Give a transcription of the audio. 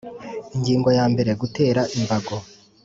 Ingingo ya mbere Gutera imbago